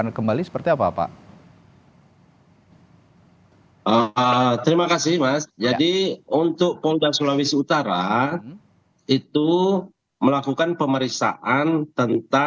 dan kemudian saya mengindahkan politeknik dikgeszero collider ke dalam mobil piccinella